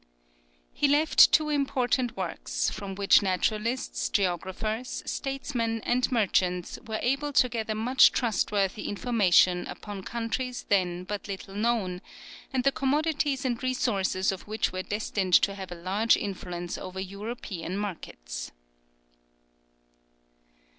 He left two important works, from which naturalists, geographers, statesmen, and merchants, were able to gather much trustworthy information upon countries then but little known, and the commodities and resources of which were destined to have a large influence over European markets.